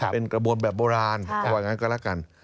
เป็นกระบวนแบบโบราณเขาว่างั้นก็แล้วกัน